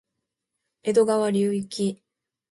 江戸川流域